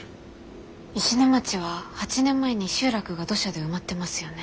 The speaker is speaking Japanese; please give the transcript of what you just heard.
石音町は８年前に集落が土砂で埋まってますよね。